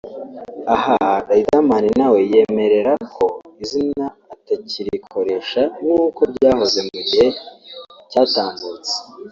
Aha Riderman nawe yiyemerera ko iri zina atakirikoresha nkuko byahoze mu gihe cyatambutse